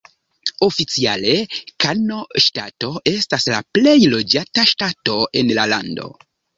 Oficiale, Kano Ŝtato estas la plej loĝata ŝtato en la lando.